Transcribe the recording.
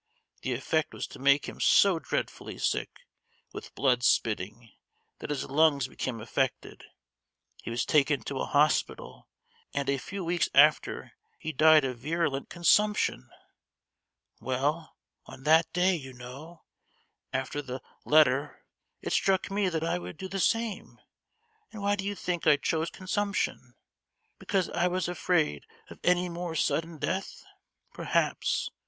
The effect was to make him so dreadfully sick, with blood spitting, that his lungs became affected; he was taken to a hospital, and a few weeks after he died of virulent consumption! Well, on that day, you know, after the letter, it struck me that I would do the same; and why do you think I chose consumption? Because I was afraid of any more sudden death? Perhaps.